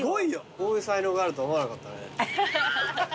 こういう才能があるとは思わなかったね。